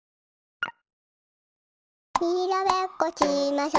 にらめっこしましょ。